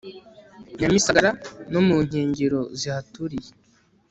nyamisagara no munkengero zihaturiye